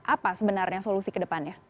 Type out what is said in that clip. apa sebenarnya solusi ke depannya